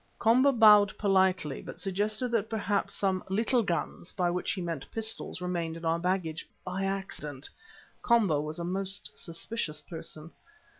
Komba bowed politely, but suggested that perhaps some "little guns," by which he meant pistols, remained in our baggage by accident. Komba was a most suspicious person.